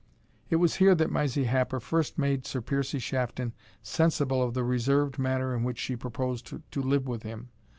It was here that Mysie Happer first made Sir Piercie Shafton sensible of the reserved manner in which she proposed to live with him.